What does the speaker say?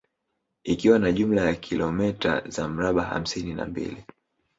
Ikiwa na jumla ya kilomota za mraba hamsini na mbili